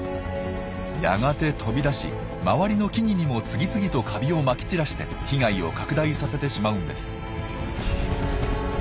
やがて飛び出し周りの木々にも次々とカビをまき散らして被害を拡大させてしまうんです。